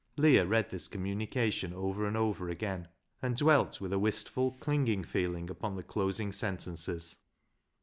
Leah read this communication over and over again, and dwelt wath a wistful, clinging feeling upon the closing sentences.